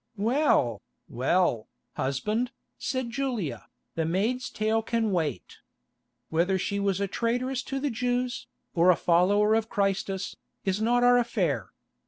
"Well, well, husband," said Julia, "the maid's tale can wait. Whether she was a traitress to the Jews, or a follower of Christus, is not our affair.